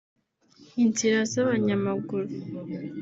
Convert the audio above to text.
inzira z’abanyamaguru